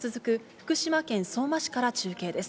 福島県相馬市から中継です。